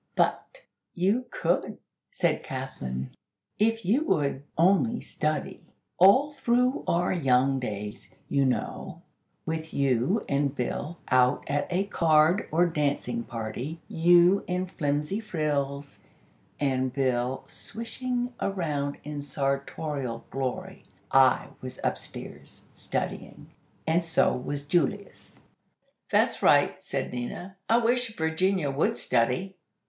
'" "But, you could," said Kathlyn, "if you would only study. All through our young days, you know, with you and Bill out at a card or dancing party, you in flimsy frills, and Bill swishing around in sartorial glory, I was upstairs, studying. And so was Julius." "That's right," said Nina. "I wish Virginia would study."